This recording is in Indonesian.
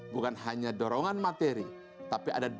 bukan hanya dorongan spiritualitas yang membuat ia hebat dalam bertinju